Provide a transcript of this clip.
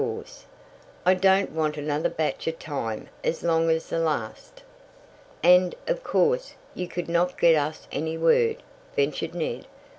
"I don't want another batch of time as long as the last." "And, of course, you could not get us any word," ventured Ned.